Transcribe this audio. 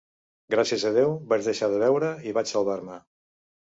Gràcies a Déu vaig deixar de beure i vaig salvar-me.